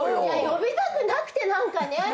呼びたくなくて何かね。